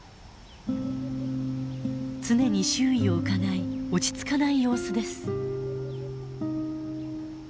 常に周囲をうかがい落ち着かない様子です。